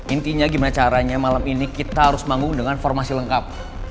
intinya gimana caranya malam ini kita harus manggung dengan formasi lengkap